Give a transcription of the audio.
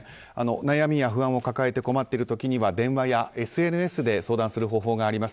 悩みは不安を抱えて困っている時には電話やＳＮＳで相談する方法があります。